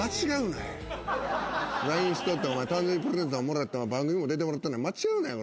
ＬＩＮＥしとって誕生日プレゼントもらって番組も出てもらってんのに間違うなよ